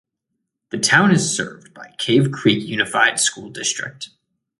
The town is served by Cave Creek Unified School District.